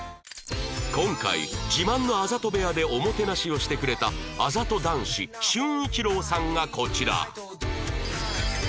今回自慢のあざと部屋でおもてなしをしてくれたあざと男子隼一郎さんがこちら